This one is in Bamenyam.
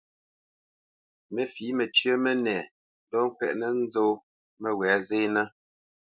Mə fǐ məcyə́ mənɛ ndɔ́ ŋkwɛʼnə́ nzó məwɛ̌ zénə́.